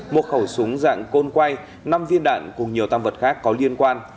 một khẩu súng dạng côn quay năm viên đạn cùng nhiều tăng vật khác có liên quan